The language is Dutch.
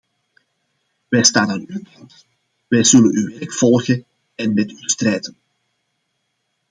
Wij staan aan uw kant; wij zullen uw werk volgen en met u strijden.